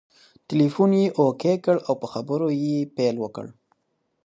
ټلیفون یې اوکې کړ او په خبرو یې پیل وکړ.